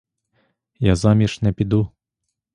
Я заміж не піду.